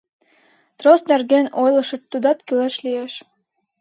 Трос нерген ойлышыч, тудат кӱлеш лиеш.